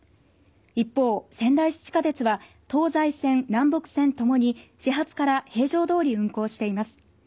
一方、仙台市地下鉄は東西線、南北線ともに始発から平常通り運行しています。